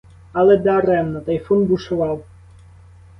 Але даремно: тайфун бушував!